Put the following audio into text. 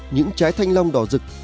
những trái thanh long đỏ rực